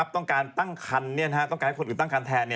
ต้องการตั้งคันต้องการให้คนอื่นตั้งคันแทน